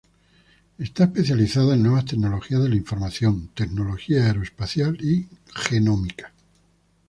Está especializa en nuevas tecnologías de la información, tecnología aeroespacial y genómica.